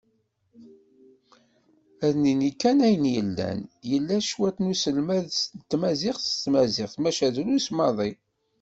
Ad nini kan ayen yellan, yella cwiṭ n uselmed n tmaziɣt s tmaziɣt, maca drus maḍi.